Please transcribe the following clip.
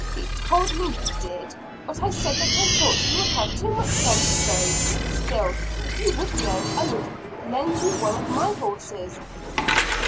"He told me you did; but I said that I thought you would have too much sense to go. Still, if you would go, that I would lend you one of my horses."